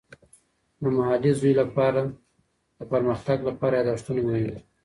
د محلي زوی لپاره د پرمختګ لپاره یادښتونه مهم دي.